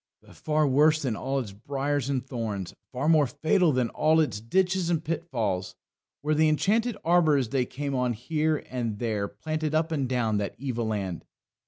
But far worse than all its briars and thorns, far more fatal than all its ditches and pitfalls, were the enchanted arbours they came on here and there planted up and down that evil land.